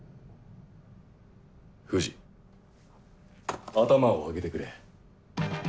藤頭を上げてくれ。